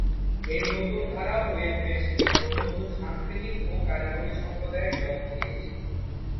এই নতুন ধারা ওয়েবে বেশ কিছু নতুন সাংস্কৃতিক ও কারিগরি সম্প্রদায়ের জন্ম দিয়েছে।